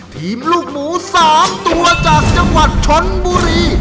ลูกหมู๓ตัวจากจังหวัดชนบุรี